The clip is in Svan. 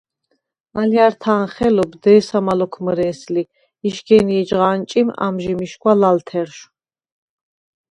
ალჲართა̄ნ ხელობ დე̄სამა ლოქ მჷრე̄ს ლი იშგენ ი ეჯღა ანჭინხ ამჟი მიშგვა ლალთერშვ.